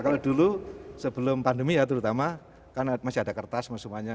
kalau dulu sebelum pandemi ya terutama kan masih ada kertas semuanya